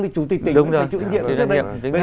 thì chủ tịch tỉnh phải chủ nhiệm trước đây